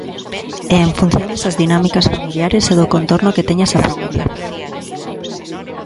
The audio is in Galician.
E en función desas dinámicas familiares e do contorno que teña esa familia.